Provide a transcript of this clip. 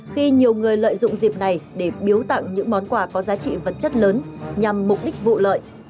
khi nhiều người lợi dụng dịp này để biếu tặng những món quà có giá trị vật chất lớn nhằm mục đích vụ lợi